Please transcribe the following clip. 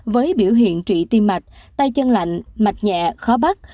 với biểu hiện trị tim mạch tay chân lạnh mạch nhẹ khó bắt